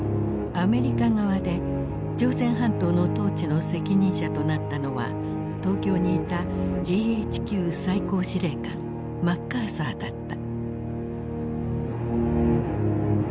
アメリカ側で朝鮮半島の統治の責任者となったのは東京にいたＧＨＱ最高司令官マッカーサーだった。